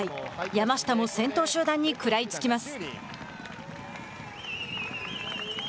山下も先頭集団に食らいつきます。